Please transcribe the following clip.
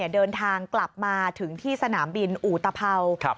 เดินทางกลับมาถึงที่สนามบินอุตภัวร์